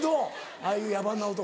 ああいう野蛮な男。